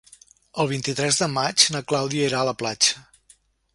El vint-i-tres de maig na Clàudia irà a la platja.